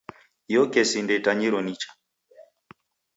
Iyo kesi ndeitanyiro nicha.